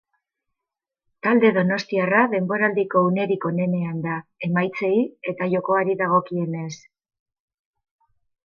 Talde donostiarra denboraldiko unerik onenean da, emaitzei eta jokoari dagokienez.